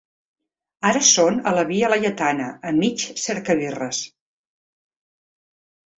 Ara són a la Via Laietana, a mig cercabirres.